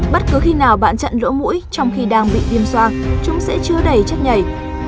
bất cứ khi nào bạn chặn rỗ mũi trong khi đang bị điêm xoang chúng sẽ chưa đầy chất nhảy